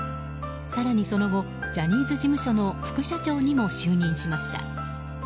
更にその後ジャニーズ事務所の副社長にも就任しました。